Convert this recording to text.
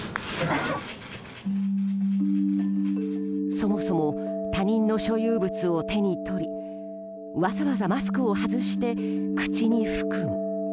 そもそも他人の所有物を手に取りわざわざマスクを外して口に含む。